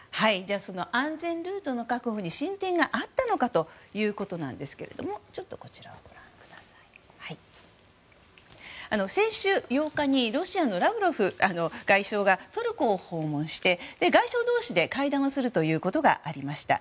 その安全ルートの確保に進展があったのかということですが先週８日にロシアのラブロフ外相がトルコを訪問して外相同士の会談がありました。